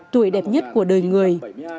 bảy mươi hai tuổi đẹp nhất của đời người